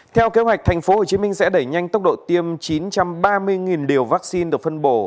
theo kế hoạch thành phố hồ chí minh sẽ đẩy nhanh tốc độ tiêm chín trăm ba mươi liều vaccine được phân bổ